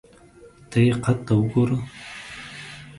ته یې قد ته وګوره !